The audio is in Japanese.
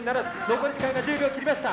残り時間が１０秒を切りました。